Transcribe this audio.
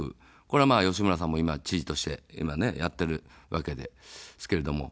これは、吉村さんも今、知事として、やっているわけですけれども。